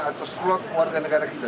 atau slot warga negara kita